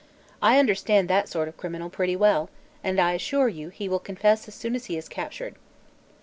I understand that sort of criminal pretty well, and I assure you he will confess as soon as he is captured."